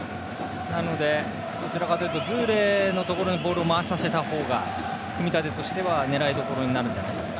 なので、どちらかというとズーレのところにボールを回させた方が組み立てとしては狙いどころになると思います。